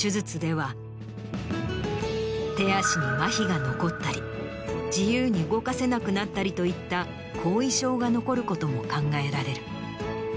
手足に麻痺が残ったり自由に動かせなくなったりといった後遺症が残ることも考えられる。